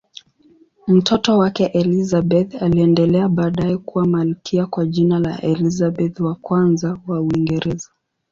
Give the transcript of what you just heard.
Mtoto wake Elizabeth aliendelea baadaye kuwa malkia kwa jina la Elizabeth I wa Uingereza.